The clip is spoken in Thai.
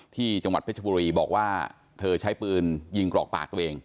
ที่จังหวัดเพชรบุรีบอกว่าเธอใช้ปืนยิงกรอกปากตัวเอง